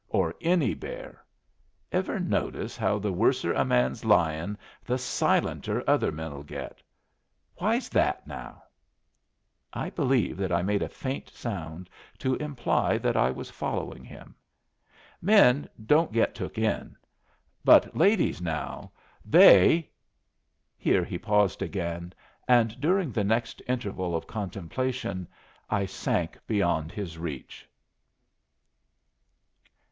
"Or any bear. Ever notice how the worser a man's lyin' the silenter other men'll get? Why's that, now?" I believe that I made a faint sound to imply that I was following him. "Men don't get took in. But ladies now, they " Here he paused again, and during the next interval of contemplation I sank beyond his reach.